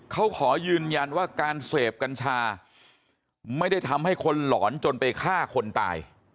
เขาขอยืนยันว่าการเสพกัญชาไม่ได้ทำให้คนหลอนจนไปฆ่าคนตาย